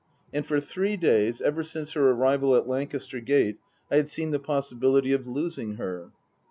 And for three days, ever since her arrival at Lancaster Gate, I had seen the possibility of losing her.